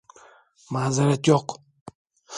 Mazeret yok.